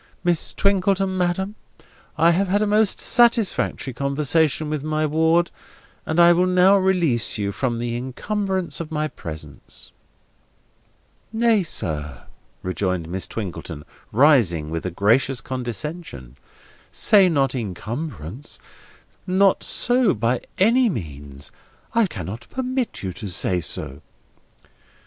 Miss Twinkleton, madam, I have had a most satisfactory conversation with my ward, and I will now release you from the incumbrance of my presence." "Nay, sir," rejoined Miss Twinkleton, rising with a gracious condescension: "say not incumbrance. Not so, by any means. I cannot permit you to say so."